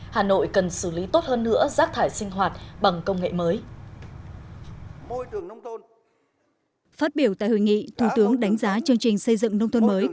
hà nội cần xử lý tốt hơn nữa rác thải sinh hoạt bằng công nghệ mới